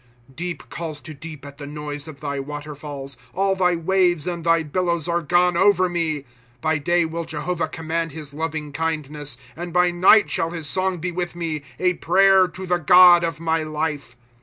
^ Deep calls to deep, at the noise of thy water falls ; All thy waves and thy billows are gone over me, ^ By day will Jehovah command his loving kindness. And by night shall his song be with me, A prayer to the God of my life.